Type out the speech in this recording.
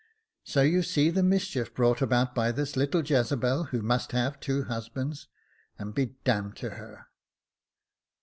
So you see the mischief brought about by this little Jezebel, who must have two husbands, and be d d to her."